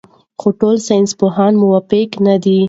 خو ټول ساینسپوهان موافق نه دي.